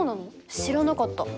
知らなかった。